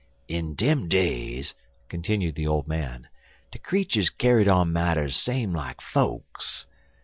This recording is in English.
"In dem days," continued the old man, "de creeturs kyar'd on marters same ez fokes.